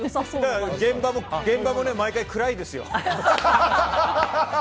現場も毎回、暗いですよ。